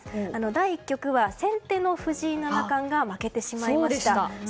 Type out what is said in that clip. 第１局は、先手の藤井七冠が負けてしまいました。